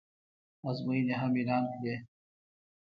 ازموینې هم اعلان کړې